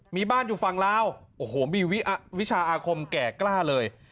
มีบ้านอยู่ฝั่งลาวโอ้โหมีวิชาอาคมแก่กล้าเลย